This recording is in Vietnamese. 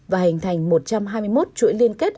và hình thành một trăm hai mươi một chuỗi liên kết